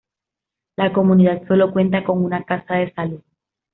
La comunidad solo cuenta con una casa de salud.